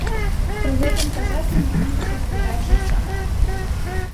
Пры гэтым казакі імкнуліся збіраць ясак.